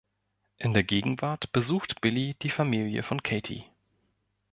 In der Gegenwart besucht Billy die Familie von Katie.